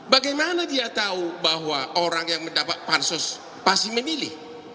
bagaimana dia tahu bahwa orang yang mendapat pansus pasti memilih